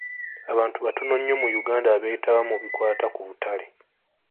Abantu batono nnyo mu Uganda abeetaba mu bikwaata ku butale.